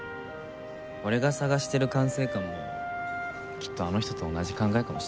俺が探してる管制官もきっとあの人と同じ考えかもしれない。